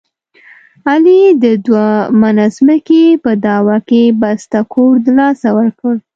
علي د دوه منه ځمکې په دعوه کې بسته کور دلاسه ورکړ.